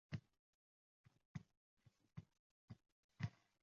Bir oz vaqt o`tgach, eshik qo`ng`irog`i jiringladi